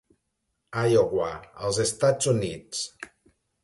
Iowa, als Estats Units.